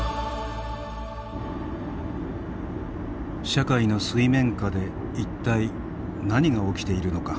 社会の水面下で一体何が起きているのか。